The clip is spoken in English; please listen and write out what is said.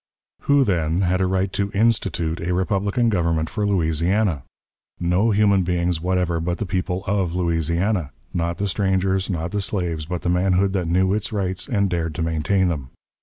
Who, then, had a right to "institute" a republican government for Louisiana? No human beings whatever but the people of Louisiana; not the strangers, not the slaves, but the manhood that knew its rights and dared to maintain them.